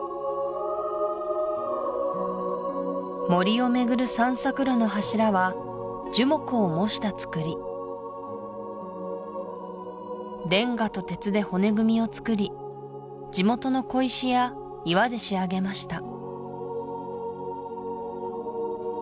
森を巡る散策路の柱は樹木を模したつくりレンガと鉄で骨組みをつくり地元の小石や岩で仕上げました